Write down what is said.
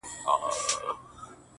لوبي وې’